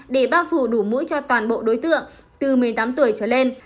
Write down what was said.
để bác phụ đủ mũi cho toàn bộ đối tượng từ một mươi tám tuổi trở lên